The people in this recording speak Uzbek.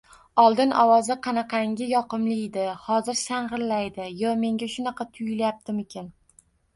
Oldin ovozi qanaqangi yoqimliydi, hozir shangʻillaydi. Yo menga shunaqa tuyulyaptimikan?